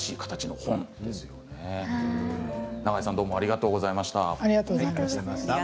永江さんありがとうございました。